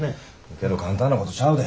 けど簡単なことちゃうで。